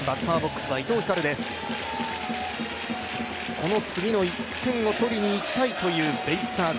この次の１点を取りにいきたいというベイスターズ